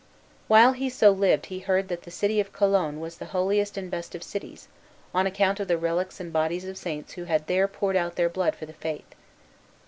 While he so lived he heard that the city of Cologne was the holiest and best of cities, on account of the relics and bodies of saints who had there poured out their blood for the faith.